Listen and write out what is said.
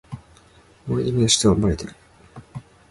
モルディブの首都はマレである